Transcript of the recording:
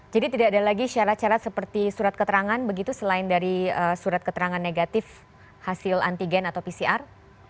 jadi tidak ada lagi syarat syarat seperti surat keterangan begitu selain dari surat keterangan negatif hasil antigen atau pcr